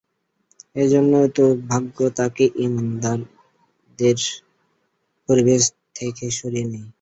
এজন্যই তো ভাগ্য তাকে ঈমানদারদের পরিবেশ থেকে সরিয়ে নেয়।